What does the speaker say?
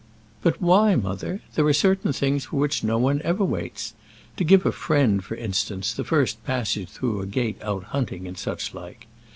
"But why, mother? There are certain things for which no one ever waits: to give a friend, for instance, the first passage through a gate out hunting, and such like.